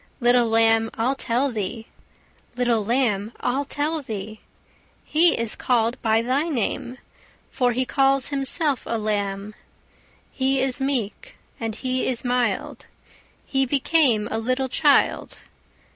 Little lamb, I'll tell thee; Little lamb, I'll tell thee: He is callèd by thy name, For He calls Himself a Lamb. He is meek, and He is mild, He became a little child.